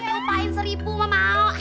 kalo ke upahin seribu mamao